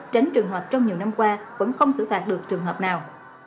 tránh trường hợp trong nhiều năm qua vẫn không xử phạt được trường hợp nào